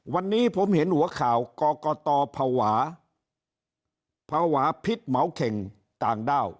วันนี้ผมเห็นหัวข่าวกรกตผวภิสต์เหม้าเข่งต่างด้าว